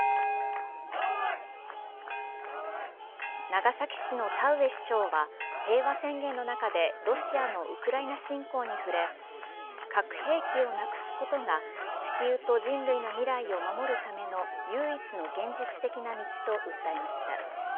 長崎市の田上市長は平和宣言の中でロシアのウクライナ侵攻に触れ核兵器をなくすことが地球と人類の未来を守るための唯一の現実的な道と訴えました。